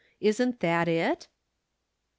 Isn't that it ?